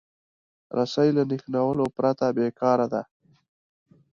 رسۍ له نښلولو پرته بېکاره ده.